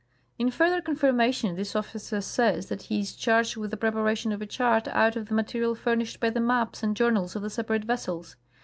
In further confirmation, this officer says that he is charged with the prepa ration of a chart out of the material furnished by the maps and journals of the separate vessels.